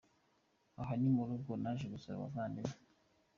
Hano ni mu rugo, naje gusura abavandimwe’.